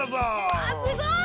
わすごい。